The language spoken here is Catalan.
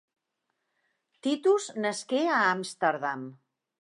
Titus nasqué a Amsterdam.